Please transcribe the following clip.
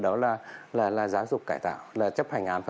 đó là giáo dục cải tạo là chấp hành án